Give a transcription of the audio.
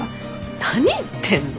何言ってんの？